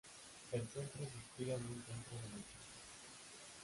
El centro se inspira en un centro de Michigan.